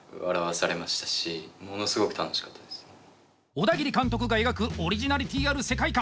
オダギリ監督が描くオリジナリティーある世界観。